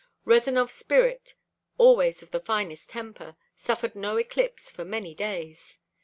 Rezanov's spirit, always of the finest temper, suffered no eclipse for many days.